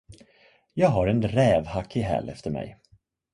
Jag har en räv hack i häl efter mig.